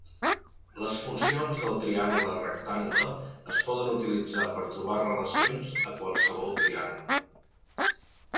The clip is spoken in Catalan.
Les funcions del triangle rectangle, es poden utilitzar per trobar relacions a qualsevol triangle.